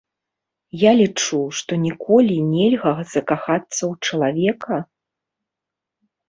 Я лічу, што ніколі нельга закахацца ў чалавека.